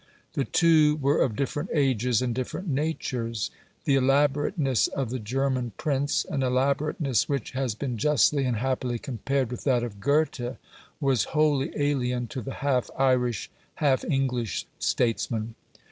The two were of different ages and different natures. The elaborateness of the German prince an elaborateness which has been justly and happily compared with that of Goethe was wholly alien to the half Irish, half English, statesman.